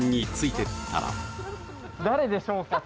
誰でしょうか？